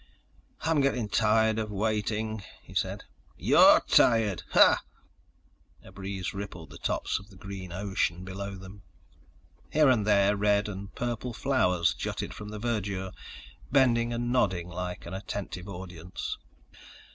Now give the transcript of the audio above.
"I'm getting tired of waiting," he said. "You're tired! Hah!" A breeze rippled the tops of the green ocean below them. Here and there, red and purple flowers jutted from the verdure, bending and nodding like an attentive audience.